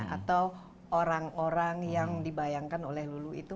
atau orang orang yang dibayangkan oleh lulu itu